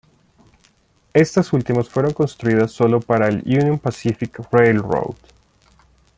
Estas últimas fueron construidas sólo para el Union Pacific Railroad.